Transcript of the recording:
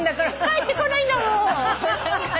返ってこないんだもん！